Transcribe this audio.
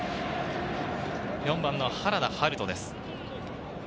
４番の原田暖大です。